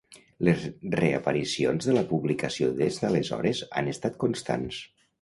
Les reaparicions de la publicació des d'aleshores han estat constants.